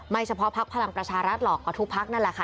ไม่เฉพาะพรังประชารัฐหรอกก็ทุกพรรคนั่นแหละค่ะ